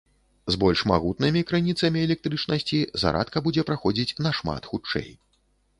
З больш магутнымі крыніцамі электрычнасці зарадка будзе праходзіць нашмат хутчэй.